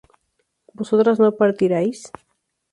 ¿vosotras no partiríais?